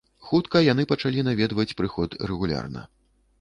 Хутка яны пачалі наведваць прыход рэгулярна.